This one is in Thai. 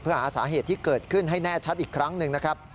เพื่อหาสาเหตุที่เกิดขึ้นให้แน่ชัดอีกครั้งหนึ่งนะครับ